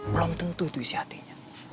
belum tentu itu isi hatinya